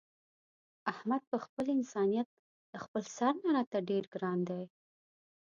احمد په خپل انسانیت له خپل سر نه راته ډېر ګران دی.